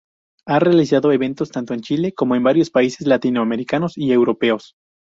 Ha realizado eventos tanto en Chile como en varios países latinoamericanos y europeos.